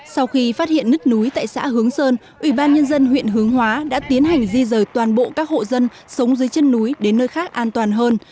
sau khi phát hiện nứt núi tại xã hướng sơn ủy ban nhân dân huyện hướng hóa đã tiến hành di rời toàn bộ các hộ dân sống dưới chân núi đến nơi khác an toàn hơn